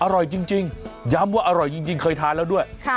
อร่อยจริงย้ำว่าอร่อยจริงเคยทานแล้วด้วย